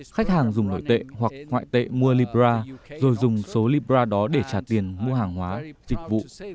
khách hàng dùng nội tệ hoặc ngoại tệ mua libra rồi dùng số libra đó để trả tiền mua hàng hóa dịch vụ